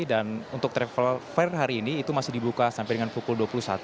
dan untuk travel of air hari ini itu masih dibuka sampai dengan pukul dua puluh satu